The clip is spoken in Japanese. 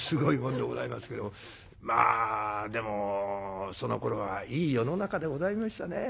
まあでもそのころはいい世の中でございましたね。